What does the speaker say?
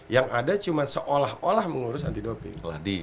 yang ada cuma seolah olah mengurus anti doping